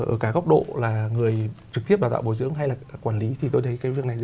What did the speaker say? ở cả góc độ là người trực tiếp đào tạo bồi dưỡng hay là quản lý thì tôi thấy cái việc này